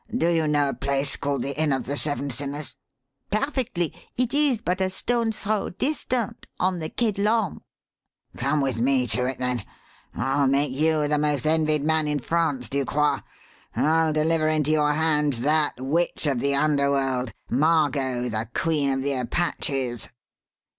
Do you know a place called the Inn of the Seven Sinners?" "Perfectly. It is but a stone's throw distant on the Quai d'Lorme." "Come with me to it, then. I'll make you the most envied man in France, Ducroix: I'll deliver into your hands that witch of the underworld, Margot, the Queen of the Apaches!"